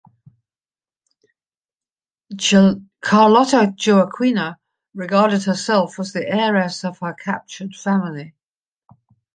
Carlota Joaquina regarded herself as the heiress of her captured family.